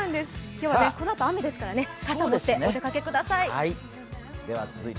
今日はこのあと雨ですから傘を持ってお出かけください。